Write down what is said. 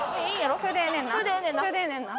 それでええねんな？